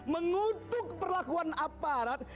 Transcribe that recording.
mengutuk perlakuan aparat